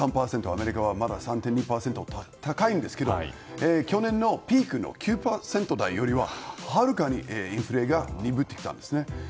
アメリカはまだ３．２％と高いんですが去年のピークの９％台よりははるかにインフレが鈍ってきたんですね。